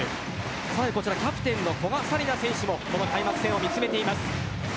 さらにキャプテンの古賀紗理那選手もこの開幕戦を見つめています。